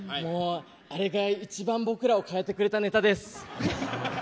あれが一番、僕らを変えてくれたネタです。